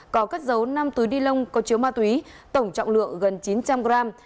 có các dấu năm túi đi lông có chiếu ma túy tổng trọng lượng gần chín trăm linh gram